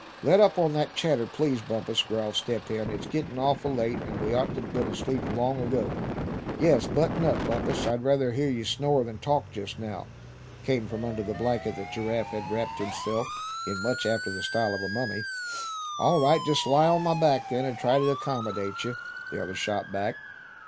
"Let up on that chatter, please, Bumpus," grumbled Step Hen. "It's gettin' awful late, and we ought to been asleep long ago." "Yes, button up, Bumpus, I'd rather hear you snore than talk just now," came from under the blanket that Giraffe had wrapped himself in, much after the style of a mummy. "All right. I'll just lie on my back, then, and try to accommodate you," the other shot back.